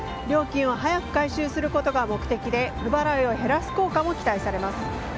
料金を早く回収することが目的で不払いを減らす効果も期待されます。